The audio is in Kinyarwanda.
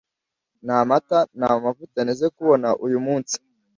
nta mata, nta mavuta nteze kubona uyu munsi.